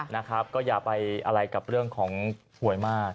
นะครับก็อย่าไปอะไรกับเรื่องของหวยมาก